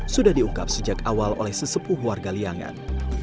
sudah diungkap sejak awal oleh sesepuh warga liangan